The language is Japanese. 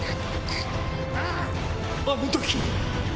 あの時